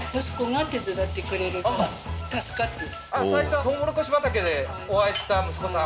最初トウモロコシ畑でお会いした息子さん？